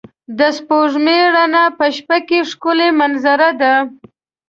د سپوږمۍ رڼا په شپه کې ښکلی منظره ده.